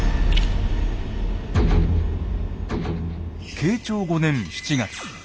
慶長５年７月。